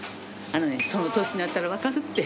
あのね、その年になったら分かるって。